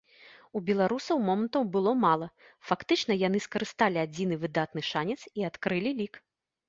У беларусаў момантаў было мала, фактычна, яны скарысталі адзіны выдатны шанец і адкрылі лік.